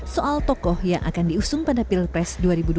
soal tokoh yang akan diusung pada pilpres dua ribu dua puluh